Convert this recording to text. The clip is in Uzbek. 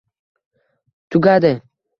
Tugadi